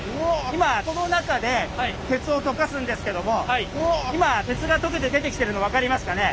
今この中で鉄を溶かすんですけども今鉄が溶けて出てきてるの分かりますかね？